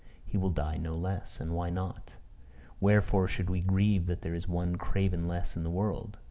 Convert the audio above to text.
He will die no less: and why not? Wherefore should we grieve that there is one craven less in the world?